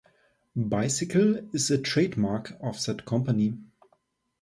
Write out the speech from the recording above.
"Bicycle" is a trademark of that company.